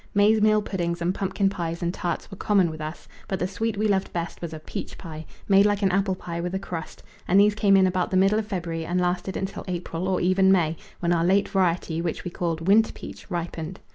Maize meal puddings and pumpkin pies and tarts were common with us, but the sweet we loved best was a peach pie, made like an apple pie with a crust, and these came in about the middle of February and lasted until April or even May, when our late variety, which we called "winter peach," ripened.